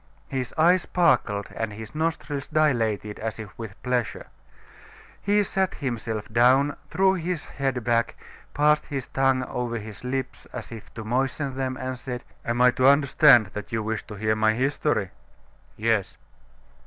His eyes sparkled and his nostrils dilated as if with pleasure. He sat himself dawn, threw his head back, passed his tongue over his lips as if to moisten them, and said: "Am I to understand that you wish to hear my history?" "Yes."